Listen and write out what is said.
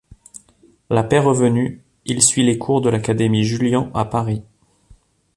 La paix revenue, il suit les cours de l’Académie Julian à Paris.